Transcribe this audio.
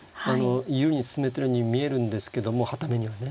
優位に進めてるように見えるんですけどもはた目にはね。